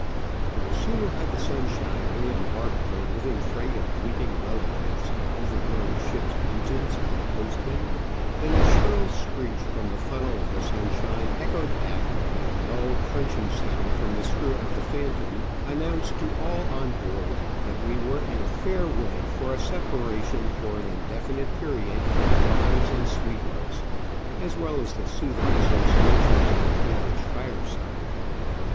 No sooner had the Sunshine re embarked her living freight of weeping relatives, overgrown ships* agents, and postmen, than a shrill screech from the funnel of the Sunshine, echoed back by a dull crunch ing sound from the screw of the Phantom, announced to all on board that we were in a fair way for a separation for an indefinite period from wives and sweethearts, as well as the soothing associations of an English fireside.